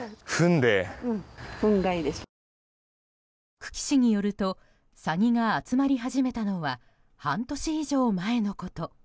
久喜市によるとサギが集まり始めたのは半年以上前のこと。